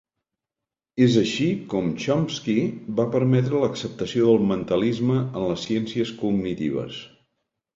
És així com Chomsky va permetre l'acceptació del mentalisme en les ciències cognitives.